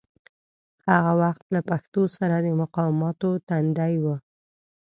هغه وخت له پښتو سره د مقاماتو تندي و.